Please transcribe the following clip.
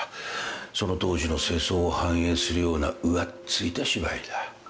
その当時の世相を反映するような浮っついた芝居だ。